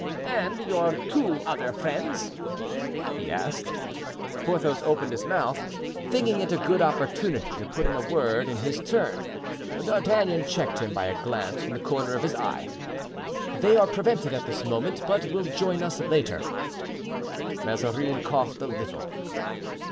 "And your two other friends?" he asked. Porthos opened his mouth, thinking it a good opportunity to put in a word in his turn; D'Artagnan checked him by a glance from the corner of his eye. "They are prevented at this moment, but will join us later." Mazarin coughed a little.